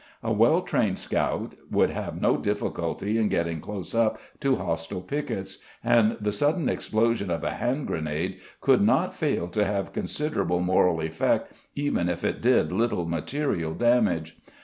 A well trained scout would have no difficulty in getting close up to hostile piquets, and the sudden explosion of a hand grenade could not fail to have considerable moral effect even if it did little material damage.